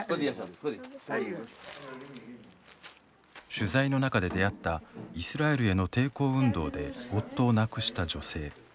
取材の中で出会ったイスラエルへの抵抗運動で夫を亡くした女性。